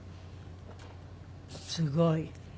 すごい。